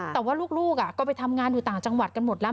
แต่ว่าลูกก็ไปทำงานอยู่ต่างจังหวัดกันหมดแล้ว